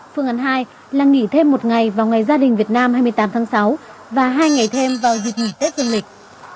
phương án hai là nghỉ thêm một ngày vào ngày gia đình việt nam hai mươi tám tháng sáu và hai ngày thêm vào dịp nghỉ tết dương lịch